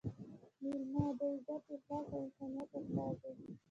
مېلمه – د عزت، اخلاص او انسانیت استازی